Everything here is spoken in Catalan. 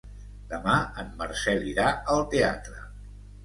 Demà en Marcel irà al teatre.